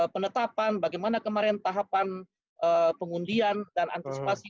penetapan bagaimana kemarin tahapan pengundian dan antisipasi